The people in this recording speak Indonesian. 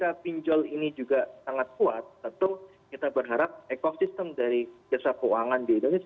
nah ketika pinjol ini juga sangat kuat tentu kita berharap ekosistem dari jasa pintu ini juga bisa jadi seperti ini